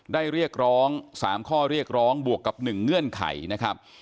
เรียกร้อง๓ข้อเรียกร้องบวกกับ๑เงื่อนไขนะครับ